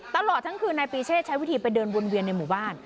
ตลอดทั้งคืนนายปีเชษใช้วิธีไปเดินวนเวียนในหมู่บ้าน